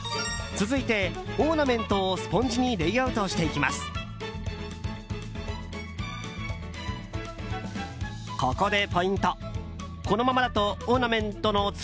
続いて、オーナメントをスポンジにレイアウトしていきます。